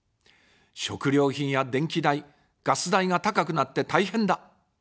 食料品や電気代、ガス代が高くなって大変だ。